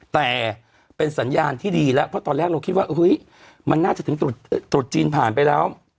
แต่เป็นสัญญาณที่ดีแล้วเพราะตอนแรกเราคิดว่าเฮ้ยมันน่าจะถึงตรุษจีนผ่านไปแล้ว